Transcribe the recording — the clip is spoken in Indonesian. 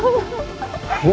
ya ampun bu